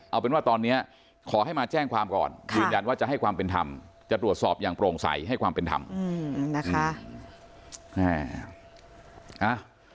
เอาเป็นว่าตอนนี้ขอให้มาแจ้งความก่อนยืนยันว่าจะให้ความเป็นธรรมจะตรวจสอบอย่างโปร่งใสให้ความเป็นธรรมนะคะ